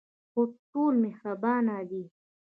هو، ټول مهربانه دي